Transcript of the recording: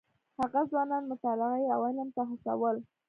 هغه ځوانان مطالعې او علم ته هڅول.